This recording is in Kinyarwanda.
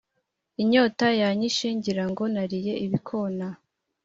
inyota yanyishe ngirango nariye ibikona